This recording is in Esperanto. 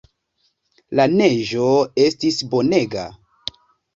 La neĝo estis bonega.